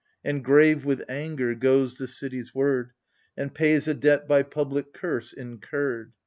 And grave with anger goes the city's word. And pays a debt by public curse incurred.